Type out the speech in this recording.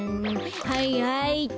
はいはいっと。